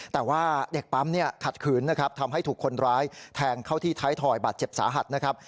แต่ว่าเด็กปั๊มเนี่ยขัดขืนนะครับทำให้ถูกคนร้ายแทงเข้าที่ท้ายถอยบาดเจ็บสาหัสนะครับ